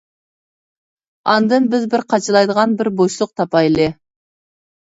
ئاندىن بىز بىر قاچىلايدىغان بىر بوشلۇق تاپايلى.